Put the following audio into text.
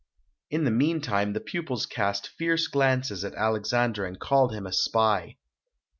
In the meantime the pupils cast fierce glances at Alexandre and called him a spy.